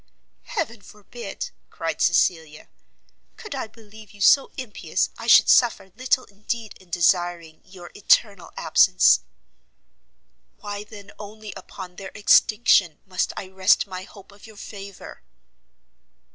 "Heaven forbid!" cried Cecilia, "could I believe you so impious, I should suffer little indeed in desiring your eternal absence." "Why then only upon their extinction must I rest my hope of your favour?"